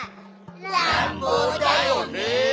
らんぼうだよね。